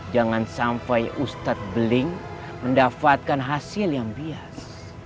jangan sampai ustadz beling mendapatkan hasil yang bias